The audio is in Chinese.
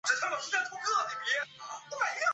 属淮南东路。